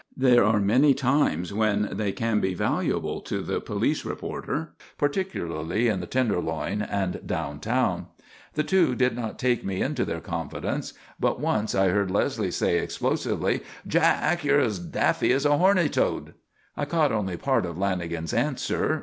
There are many times when they can be valuable to the police reporter, particularly in the Tenderloin and down town. The two did not take me into their confidence, but once I heard Leslie say, explosively: "Jack, you're as daffy as a horned toad." I caught only part of Lanagan's answer.